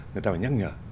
người ta phải nhắc nhở